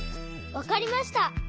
わかりました！